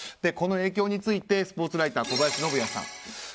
この影響についてスポーツライターの小林信也さん。